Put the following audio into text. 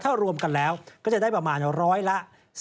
ถ้ารวมกันแล้วก็จะได้ประมาณร้อยละ